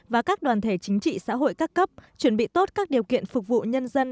và các đoàn thể chính trị xã hội các cấp chuẩn bị tốt các điều kiện phục vụ nhân dân